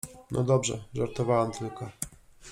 No dobrze, żartowałam tylko.